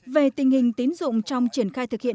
về tình hình tín dụng trong triển khai thực hiện